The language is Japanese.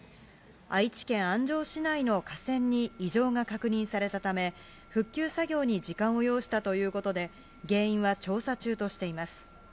愛知県安城市内の架線に異常が確認されたため、復旧作業に時間を要したということで、原因は調査中としています。